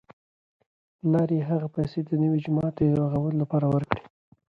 پلار یې هغه پیسې د نوي جومات د رغولو لپاره ورکړې.